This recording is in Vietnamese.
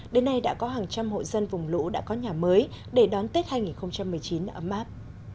đến nay đã có hàng trăm hộ dân vùng lũ đã có nhà mới để đón tết hai nghìn một mươi chín ấm áp